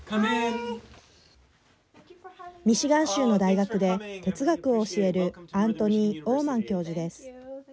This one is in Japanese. ミシガン州の大学で哲学を教えるアントニー・オーマン教授です。